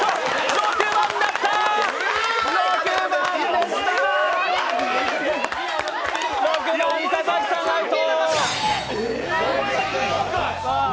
６番、佐々木さんアウト！